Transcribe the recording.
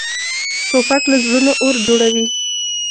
توپک له زړونو اور جوړوي.